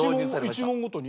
１問ごとに？